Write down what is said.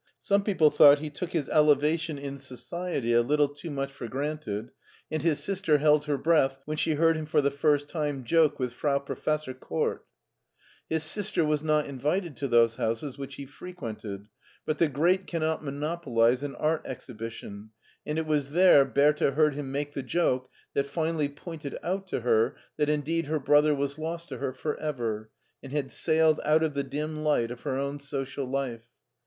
Some people thought he took his elevation in as 86 MARTIN SCHtJLER society a little too much for granted, and his sister held her breath when she heard him for the first time joke with Frau Professor Kort His sister was not invited to those houses which he frequented, but the great cannot monopolize an art exhibition, and it was there Bertha heard him make the joke that finally pointed out to her that indeed her brother was lost to her for ever, and had sailed out of the dim light of her own social life.